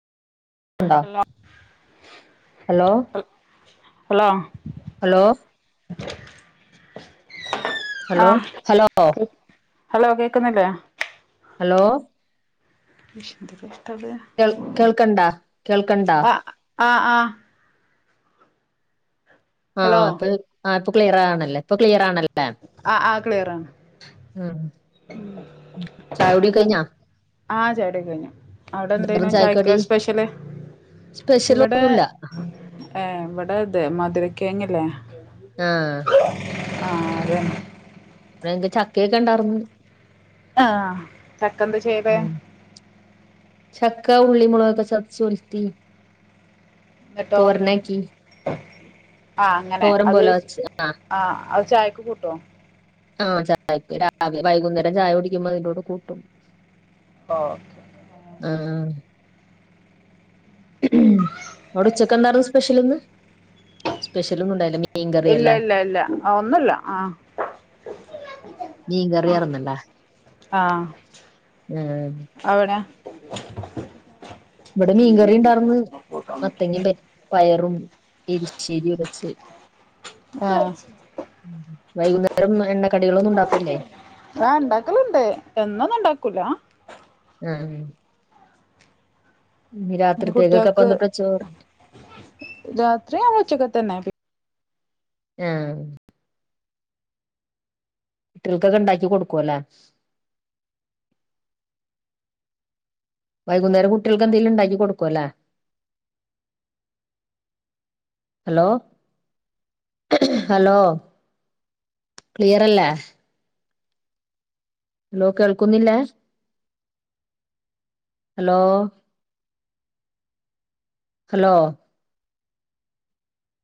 ണ്ടോ [unintelligible] hello hello hello hello ആഹ് hello hello കേക്കുന്നില്ലേ? Hello ഷ് എന്ത് കഷ്ട്ടത് കേൾ കേൾക്ക്ണ്ടാ കേൾക്ക്ണ്ടാ ആഹ് ആഹ് ആഹ് ഹലോ ആഹ് പ്പെയ് ആഹ് ഇപ്പൊ ക്ലിയർ ആണല്ലേ ഇപ്പൊ ക്ലിയർ ആണൽ ആഹ് ആഹ് ക്ലിയറാണ് ഉം ചായുടിക്കയിഞ്ഞാ? ആഹ് ചായുടിയൊക്കെ കയിഞ്ഞു. ഔടെ വെറും എന്തേനും ചായക്ക് ചായക്കടി സ്പെഷല് സ്പെഷ്യൽ ഇവടെ ഒന്നുല്ല ഏഹ് ഇവടെത് മധുരക്കിഴങ്ങ്ല്ലേ ആഹ് ആഹ് അതെന്നെ ഇവിടെ ഞങ്ങക്ക് ചക്കയൊക്കെണ്ടാർന്ന് ആഹ് ചക്ക എന്ത്‌ ചെയ്തെ? ഉം ചക്ക ഉള്ളി മോളഗോക്കെ ചതച്ചുഒൽത്തി എന്നിട്ടോ തൊരനാക്കി. ആഹ് അങ്ങനെ അത് പോലെ വച്ച് ആഹ് അത് ചായക്ക് കൂട്ടോ? ആഹ് ചായക്ക് രാവിലെ വൈകുന്നേരം ചായ കുടിക്കുമ്പോ അതിന്റുടെ കൂട്ടും. ഒഹ് ആഹ് ആഹ് അവിടെ ഉച്ചക്കെന്താർന്നു സ്പെഷലിന്ന് സ്പെഷൽ ഒന്നുണ്ടായില മി ഇല്ല ഇല്ല ഇല്ല ആഹ് ഒന്നല്ല ആഹ് മീകറിയാറ്ന്ന്ലെ ആഹ് അവിടെ? ഇവടെ മീൻകറി ഇണ്ടാർന്ന് മത്തങ്ങിം പരി പയറും എരിശ്ശേരിയും വെച്ച്. ആഹ് ആഹ് വൈകുന്നേരം എണ്ണ കടികളൊന്നും ഉണ്ടാക്കൂല്ലേ? ആഹ് ഇണ്ടാക്കെല്ണ്ട് എന്നൊന്നും ഉണ്ടാക്കൂലാ ആഹ് ഇനി പിന്നെ കുട്ടികൾക്ക് രാത്രിത്തേക്കൊക്കപ്പന്നിപെച്ചോ രാത്രി ആ ഉച്ചക്കത്തെന്നെ പി ആഹ് കുട്ട്യൾക്കൊക്കെ ഇണ്ടാക്കി കൊട്ക്കൊല്ലെ വൈകുന്നേം കുട്ട്യൾക്കെന്തേലും ഇണ്ടാക്കി കൊട്ക്കൊല്ലേ ഹലോ ഹലോ ക്ലിയറല്ലേ ഹലോ കേൾക്കുന്നില്ലേ ഹലോ ഹലോ